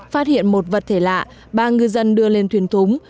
phát hiện một vật thể lạ ba ngư dân đưa lên thuyền thúng